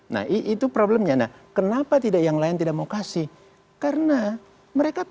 nah itu problemnya kenapa tidak yang lain tidak mau kasih karena mereka